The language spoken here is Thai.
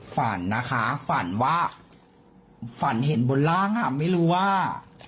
ฝันนะคะฝันว่าฝันเห็นบนร่างอ่ะไม่รู้ว่า